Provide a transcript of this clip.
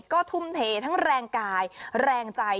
ก็ทุ่มเททั้งแรงกายแรงใจ